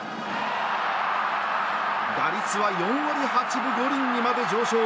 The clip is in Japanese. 打率は４割８分５厘にまで上昇。